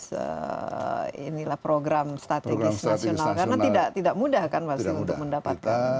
segar seratus program strategis nasional karena tidak mudah kan untuk mendapatkan